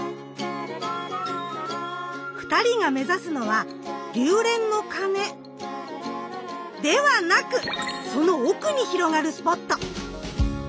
２人が目指すのは龍恋の鐘ではなくその奥に広がるスポット。